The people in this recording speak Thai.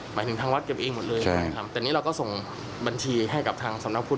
หมายถึงทางวัดเก็บเองหมดเลยใช่ครับแต่นี่เราก็ส่งบัญชีให้กับทางสำนักพุทธ